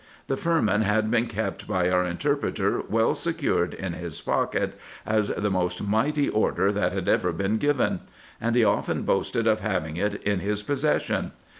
The firman had been kept by our interpreter well secured in his pocket, as the most mighty order that had ever been given ; and he often boasted of having it in his possession.